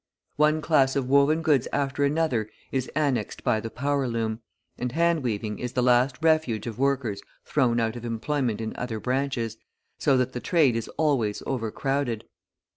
One class of woven goods after another is annexed by the power loom, and hand weaving is the last refuge of workers thrown out of employment in other branches, so that the trade is always overcrowded.